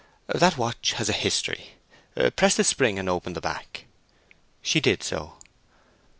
"That watch has a history. Press the spring and open the back." She did so.